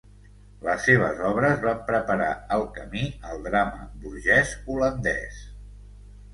Les seves obres van preparar el camí al drama burgès holandès.